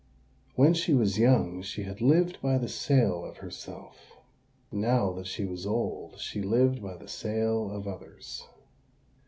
When she was young she had lived by the sale of herself: now that she was old she lived by the sale of others.